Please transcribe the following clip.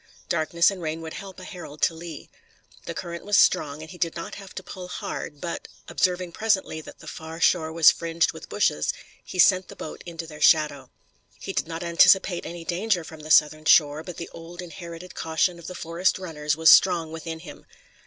Darkness and rain would help a herald to Lee. The current was strong, and he did not have to pull hard, but, observing presently that the far shore was fringed with bushes, he sent the boat into their shadow. He did not anticipate any danger from the southern shore, but the old inherited caution of the forest runners was strong within him.